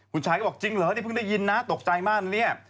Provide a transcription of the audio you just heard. คุณชายก็บอกจริงเหรอนี่เพิ่งได้ยินนะตกใจมากเนี่ย